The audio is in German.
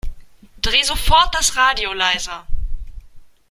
Dreh sofort das Radio leiser